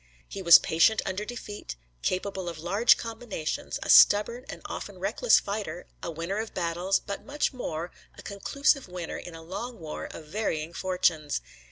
He was patient under defeat, capable of large combinations, a stubborn and often reckless fighter, a winner of battles, but much more, a conclusive winner in a long war of varying fortunes.